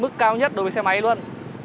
mức cao nhất đối với xe máy luôn